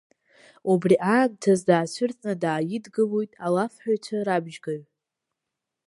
Убри аамҭаз даацәырҵны дааидгылоит Алафҳәаҩцәа Рабжьгаҩ.